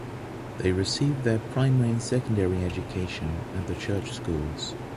They received their primary and secondary education at the church schools.